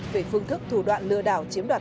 về phương thức thủ đoạn lừa đảo chiếm đoạt